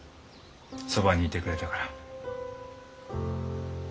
そばにいてくれたから。